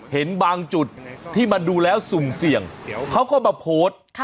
เห็นบางจุดที่มันดูแล้วสุ่มเสี่ยงเขาก็มาโพสต์